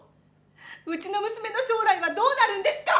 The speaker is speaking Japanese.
うちの娘の将来はどうなるんですか！